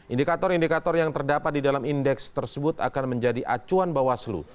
indikator indikator yang terdapat di dalam indeks tersebut akan menjadi acuan bawaslu